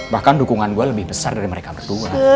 bahkan dukungan gue lebih besar dari mereka berdua